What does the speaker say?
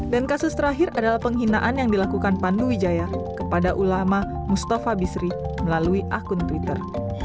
dan kasus terakhir adalah penghinaan yang dilakukan pandu wijaya kepada ulama mustafa bisri melalui akun twitter